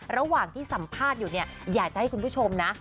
ระหว่างที่สัมภาษณ์อยู่เนี่ยอยากจะให้คุณผู้ชมนะ